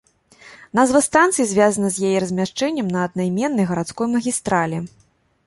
Назва станцыі звязана з яе размяшчэннем на аднайменнай гарадской магістралі.